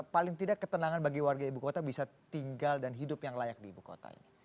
paling tidak ketenangan bagi warga ibu kota bisa tinggal dan hidup yang layak di ibu kota ini